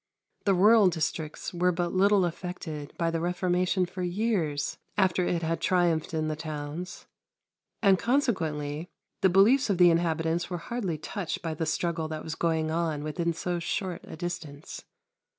The rural districts were but little affected by the Reformation for years after it had triumphed in the towns, and consequently the beliefs of the inhabitants were hardly touched by the struggle that was going on within so short a distance.